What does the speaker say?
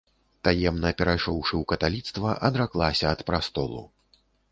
Таемна перайшоўшы ў каталіцтва, адраклася ад прастолу.